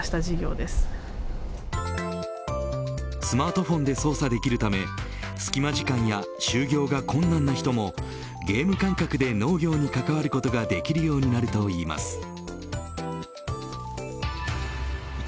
スマートフォンで操作できるためすきま時間や就業が困難な人もゲーム感覚で農業に関わることができるようになるといいます。